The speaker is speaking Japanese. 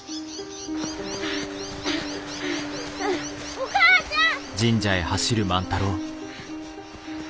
お母ちゃん！